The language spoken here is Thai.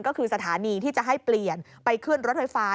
ก็คือสถานีที่จะให้เปลี่ยนไปขึ้นรถไฟฟ้า